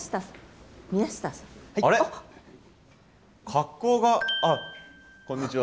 格好があっこんにちは。